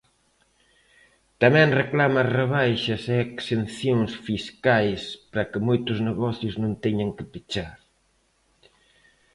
Tamén reclama rebaixas e exencións fiscais para que moitos negocios non teñan que pechar.